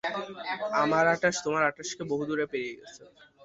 আমার আটাশ তোমার আটাশকে বহুদূরে পেরিয়ে গেছে।